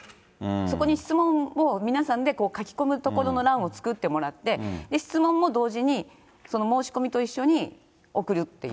そこに質問を皆さんで書き込む所の欄を作ってもらって、質問も同時に、その申し込みと一緒に送るっていう。